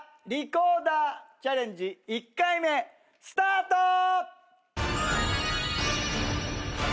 リコーダーチャレンジ１回目スタート！